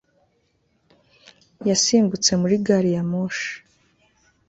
Yasimbutse muri gari ya moshi